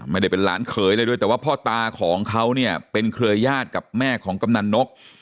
ไม่ได้เป็นหลานเขยอะไรด้วยแต่ว่าพ่อตาของเขาเนี่ยเป็นเครือญาติกับแม่ของกำนันนก